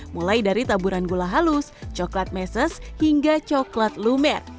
mulai dari taburan gula halus coklat meses hingga coklat lumer